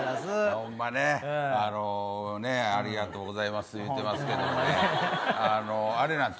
ほんまありがとうございますいうてますけどあれなんです